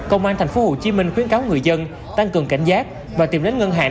công an thành phố hồ chí minh khuyến cáo người dân tăng cường cảnh giác và tìm đến ngân hàng